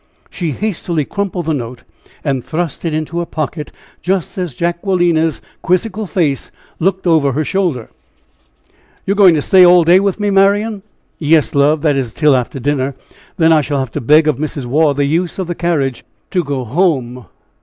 She hastily crumpled the note, and thrust it into her pocket just as Jacquelina's quizzical face looked over her shoulder. "You're going to stay all day with me, Marian?" "Yes, love that is, till after dinner. Then I shall have to beg of Mrs. Waugh the use of the carriage to go home."